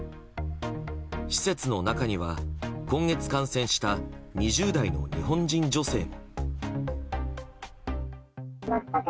施設の中には今月感染した２０代の日本人女性も。